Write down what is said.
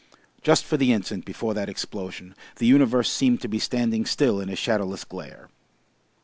Just for the instant before that explosion the universe seemed to be standing still in a shadowless glare.